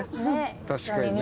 確かにね。